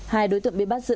hai đối tượng bị bắt giữ là